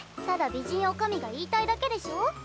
ただ美人女将が言いたいだけでしょ。